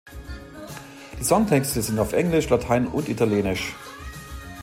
Die Songtexte sind auf Englisch, Latein und Italienisch.